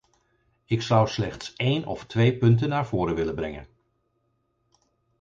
Ik zou slechts een of twee punten naar voren willen brengen.